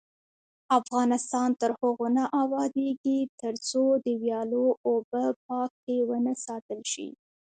افغانستان تر هغو نه ابادیږي، ترڅو د ویالو اوبه پاکې ونه ساتل شي.